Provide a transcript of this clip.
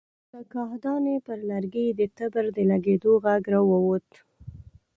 له کاهدانې پر لرګي د تبر د لګېدو غږ را ووت.